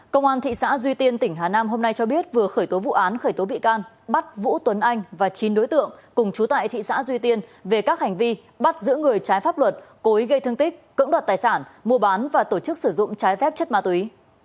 công an thị xã duy tiên tỉnh hà nam hôm nay cho biết vừa khởi tố vụ án khởi tố bị can bắt vũ tuấn anh và chín đối tượng cùng chú tại thị xã duy tiên về các hành vi bắt giữ người trái pháp luật cố ý gây thương tích cưỡng đoạt tài sản mua bán và tổ chức sử dụng trái phép chất ma túy